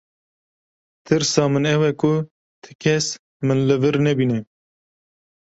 Tirsa min ew e ku ti kes min li vir nebîne.